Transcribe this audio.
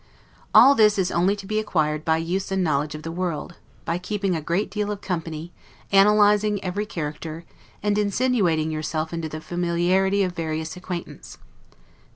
All this is only to be acquired by use and knowledge of the world, by keeping a great deal of company, analyzing every character, and insinuating yourself into the familiarity of various acquaintance.